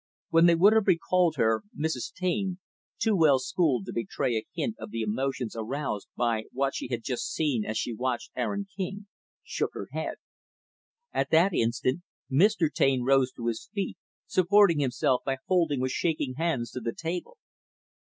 When they would have recalled her, Mrs. Taine too well schooled to betray a hint of the emotions aroused by what she had just seen as she watched Aaron King shook her head. At that instant, Mr. Taine rose to his feet, supporting himself by holding with shaking hands to the table.